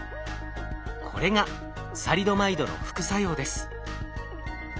これがサリドマイドの副作用です。